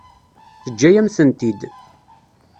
Teǧǧa-yam-tent-id.